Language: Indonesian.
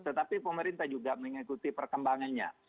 tetapi pemerintah juga mengikuti perkembangannya